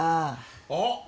あっ！